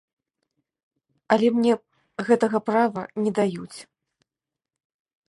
Але мне гэтага права не даюць.